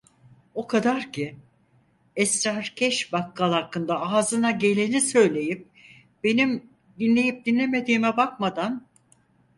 O kadar ki, esrarkeş bakkal hakkında ağzına geleni söyleyip benim dinleyip dinlemediğime bakmadan: